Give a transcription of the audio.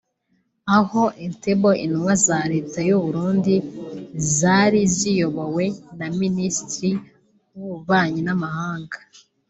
Aho Entebbe intumwa za leta y’u Burundi zari ziyobowe na Minisitiri w’ububanyi n’amahanga